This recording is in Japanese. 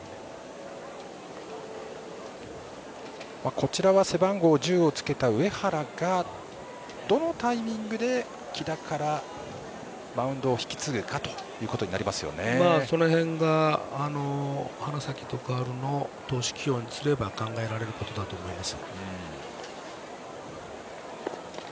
こちらは背番号１０をつけた上原がどのタイミングで木田からマウンドをその辺が花咲徳栄の投手起用にすれば考えられることだと思います。